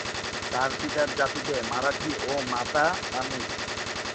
তার পিতা জাতিতে মারাঠি ও মাতা তামিল।